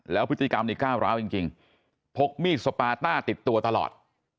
แล้วพฤติกรรมนี้ก้าวร้าวจริงพกมีดสปาต้าติดตัวตลอด